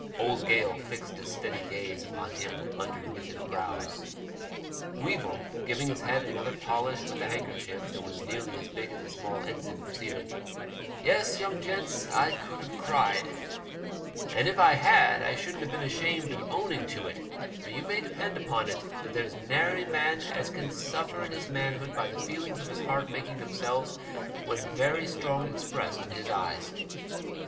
Old Gale fixed a steady gaze upon him under knitted brows. Weevil, giving his head another polish with the handkerchief that was nearly as big as a small ensign, proceeded —'* Yes, young gents, I could have cried, and if I had I shouldn't have been ashamed of owning to it ; for you may depend upon it that there's nary man as can suffer in his manhood by the feelings of his heart making themselves when very strong expressed in his eyes."